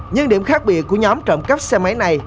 nhưng điểm khác biệt của nhóm trộm cắp xe máy này